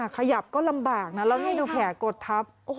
ขยับก็ลำบากนะแล้วนี่ดูแผลกดทับ